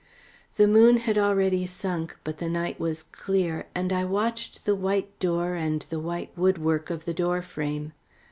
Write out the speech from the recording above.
The moon had already sunk, but the night was clear, and I watched the white door and the white woodwork of the door frame.